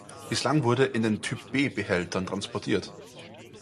Bislang wurde in den Typ B-Behältern transportiert.